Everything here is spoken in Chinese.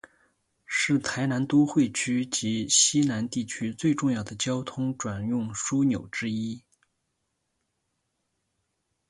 是台南都会区及溪南地区最重要的交通转运枢纽之一。